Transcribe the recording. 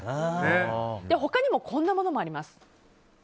他にもこんなものもあります。